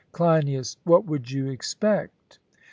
CLEINIAS: What would you expect?